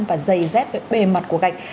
và dày dép bề mặt của gạch